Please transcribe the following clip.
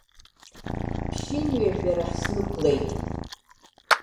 Ԥшьынҩажәа рахь снықәлеит.